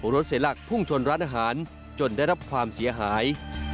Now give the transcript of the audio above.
รถเสียหลักพุ่งชนร้านอาหารจนได้รับความเสียหาย